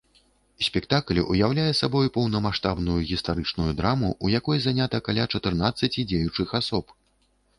Спектакль уяўляе сабой поўнамаштабную гістарычную драму, у якой занята каля чатырнаццаці дзеючых асоб.